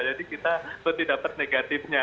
jadi kita pasti dapat negatifnya